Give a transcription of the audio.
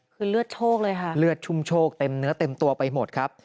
คือเลือดโชคเลยค่ะเลือดชุ่มโชคเต็มเนื้อเต็มตัวไปหมดครับ